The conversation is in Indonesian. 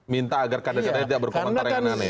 minta agar kadang kadang dia berkomentar yang aneh